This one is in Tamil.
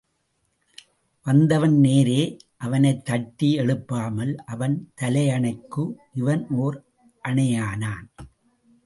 வந்தவன் நேரே அவனைத்தட்டி எழுப்பாமல் அவன் தலையணைக்கு இவன் ஓர் அணையானான்.